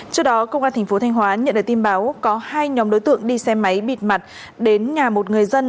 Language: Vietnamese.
trước đó công an tp thanh hóa nhận được tin báo có hai nhóm đối tượng đi xe máy bịt mặt đến nhà một người dân